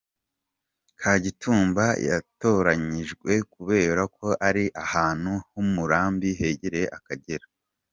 Kagitumba yatoranyijwe kubera ko ari ahantu h’umurambi hegereye Akagera.